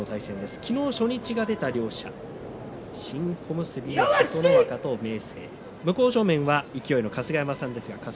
昨日、初日が出たりもした新小結の琴ノ若と明生向正面は勢の春日山さんです。